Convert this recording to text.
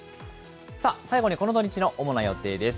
さあ、最後にこの土日の主な予定です。